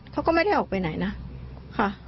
เขาก็ไม่ได้ออกไปไหนนะค่ะ